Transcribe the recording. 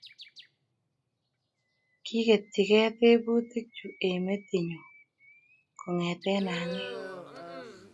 Kiketchikei tebutik chu eng metinyu kongete ang'et